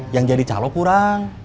yang jadi calo kurang